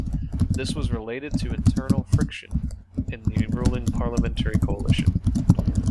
This was related to internal friction in the ruling parliamentary coalition.